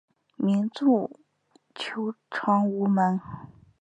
民众求偿无门